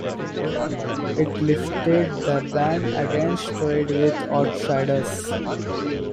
It lifted the ban against trade with outsiders.